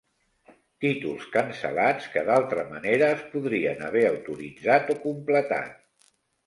Títols cancel·lats que, d'altra manera, es podrien haver autoritzat o completat.